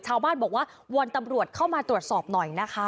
ชาวบ้านบอกว่าวอนตำรวจเข้ามาตรวจสอบหน่อยนะคะ